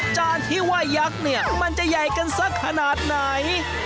จานที่ว่ายักษ์เนี่ยมันจะใหญ่กันสักขนาดไหน